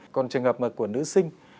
còn trường hợp của nữ sinh